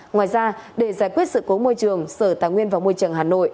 ngoài ra để giải quyết sự cố môi trường sở tài nguyên và môi trường hà nội